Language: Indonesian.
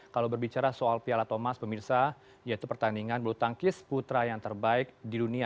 kalau berbicara soal piala thomas pemirsa yaitu pertandingan bulu tangkis putra yang terbaik di dunia